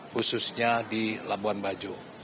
khususnya di labuan bajo